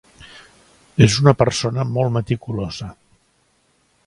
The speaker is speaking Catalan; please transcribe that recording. És una persona molt meticulosa.